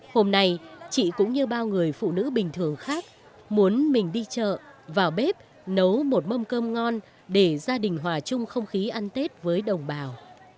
hôm nay chị cũng như bao người phụ nữ bình thường khác muốn mình đi chợ vào bếp nấu một mâm cơm ngon để gia đình hòa chung không khí ăn tết với đồng bào